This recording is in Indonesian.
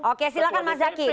oke silahkan mas zaky